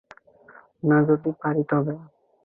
না যদি পারি তবে?